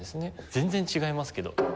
全然違いますけど。